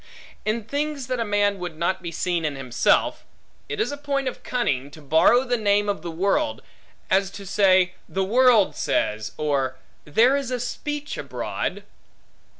In things that a man would not be seen in himself, it is a point of cunning, to borrow the name of the world; as to say, The world says, or There is a speech abroad.